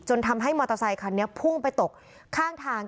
ทำให้มอเตอร์ไซคันนี้พุ่งไปตกข้างทาง